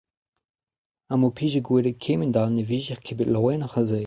Ha m'ho pije gwelet kement all ne vijec'h ket bet laouenoc'h a se.